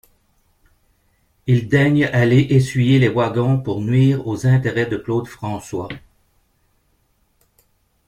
Il daigne aller essuyer les wagons pour nuire aux intérêts de Claude François.